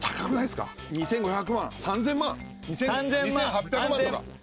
２５００万３０００万２８００万とか。